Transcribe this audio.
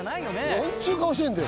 何ちゅう顔してんだよ